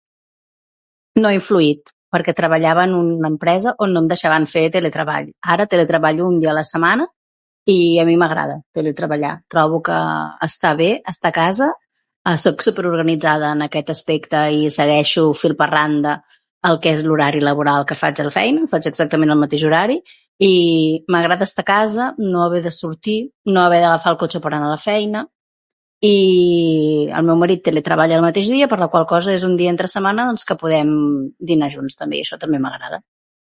No ha influït, perquè treballava en una empresa on no em deixaven fer teletreball. Ara teletreballo un dia a la setmana i, a mi m'agrada, teletreballar. Trobo que està bé estar a casa. Eh, soc superorganitzada en aquest aspecte i segueixo fil per randa el que és l'horari laboral que faig a la feina. Faig exactament el mateix horari i, m'agrada estar a casa, no haver de sortir, no haver d'agafar el cotxe per anar a la feina. I, el meu marit teletreballa el mateix dia, per la qual cosa és un dia entre setmana doncs que podem dinar junts també, i això també m'agrada.